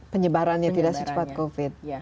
penyebarannya tidak secepat covid